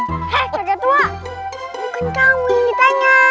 hah kagetua bukan kamu yang ditanya